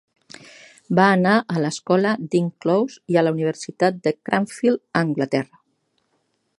Va anar a l'escola Dean Close i a la Universitat de Cranfield a Anglaterra.